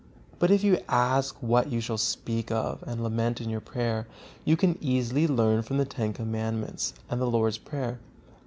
But if you ask what you shall speak of and lament in your prayer, you can easily learn from the Ten Commandments and the Lord's Prayer.